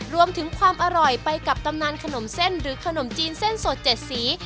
ความอร่อยไปกับตำนานขนมเส้นหรือขนมจีนเส้นสด๗สี